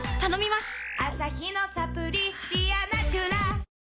アサヒのサプリ「ディアナチュラ」